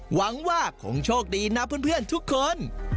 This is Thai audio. หวังว่าคงโชคดีนะเพื่อนทุกคน